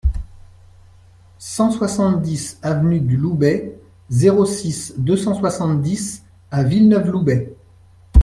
cent soixante-dix avenue du Loubet, zéro six, deux cent soixante-dix à Villeneuve-Loubet